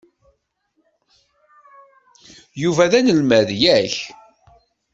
Yuba d anelmad, yak?